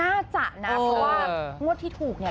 น่าจะน่ะเพราะอาวุ่นที่ถูกเนี่ย